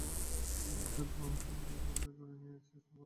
গবেষকেদের পরামর্শ হচ্ছে, সময় বের করে নিয়ে স্ত্রীর সঙ্গে কথা বলুন।